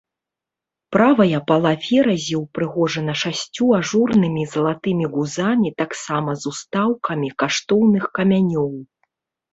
Правая пала феразі ўпрыгожана шасцю ажурнымі залатымі гузамі таксама з устаўкамі каштоўных камянёў.